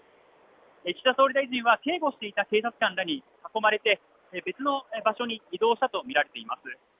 岸田総理大臣は警護していた警察官らに囲まれて別の場所に移動したと見られています。